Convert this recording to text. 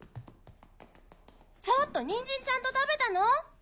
ちょっとニンジンちゃんと食べたの？